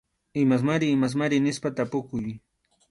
Imasmari imasmari nispa tapukuy.